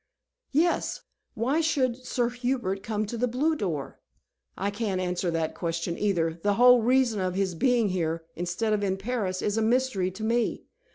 "Yes? Why should Sir Hubert come to the blue door?" "I can't answer that question, either. The whole reason of his being here, instead of in Paris, is a mystery to me."